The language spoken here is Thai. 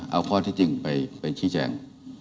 เอาข้อที่จริงไปชี้แจง